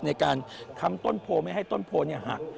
ในการทำต้นโพไม่ให้ต้นโพหัก